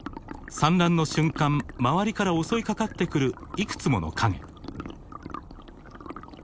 産卵の瞬間周りから襲いかかってくるいくつもの影。